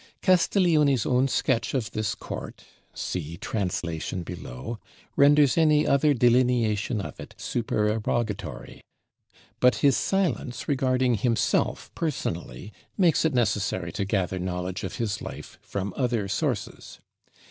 Castiglione's own sketch of this court (see translation below) renders any other delineation of it supererogatory; but his silence regarding himself personally makes it necessary to gather knowledge of his life from other sources.